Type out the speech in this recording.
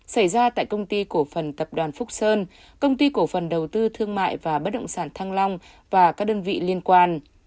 xảy ra tại công ty cổ phần tập đoàn phúc sơn công ty cổ phần đầu tư thương mại và bất động sản thăng long và các đơn vị liên quan